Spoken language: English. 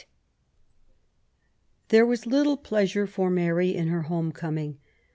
TThebb was little pleasure for Mary in her home coming.